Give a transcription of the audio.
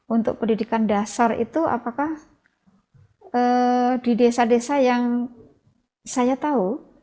untuk pendidikan dasar itu apakah di desa desa yang saya tahu